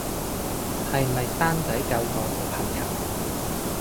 係咪生仔救港嘅朋友